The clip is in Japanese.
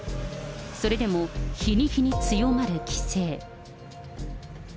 それでも日に日に強まる規制。